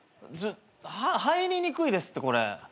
入りにくいですってこれ。